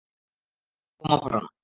Atom বোমা ফাটানো!